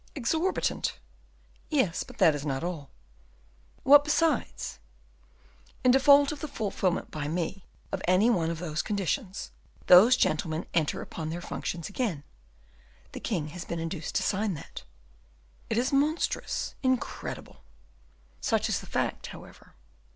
"Exorbitant." "Yes, but that is not all." "What besides?" "In default of the fulfillment by me of any one of those conditions, those gentlemen enter upon their functions again. The king has been induced to sign that." "It is monstrous, incredible!" "Such is the fact, however."